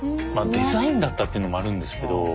まあデザインだったっていうのもあるんですけど。